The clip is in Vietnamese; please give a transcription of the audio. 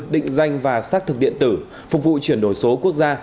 định danh và xác thực điện tử phục vụ chuyển đổi số quốc gia